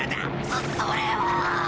そそれは！